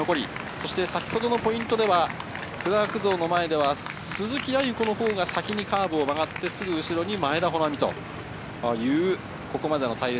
先ほどのポイントではクラーク像の前では鈴木亜由子のほうが先にカーブを曲がってすぐ後ろに前田というここまでの隊列。